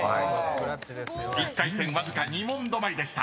［１回戦わずか２問止まりでした］